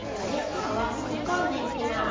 ここはおりこんでいきます。